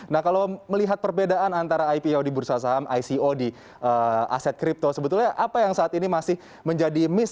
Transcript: nah kalau melihat perbedaan antara ipo di bursa saham ico di aset kripto sebetulnya apa yang saat ini masih menjadi miss